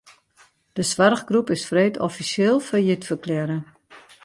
De soarchgroep is freed offisjeel fallyt ferklearre.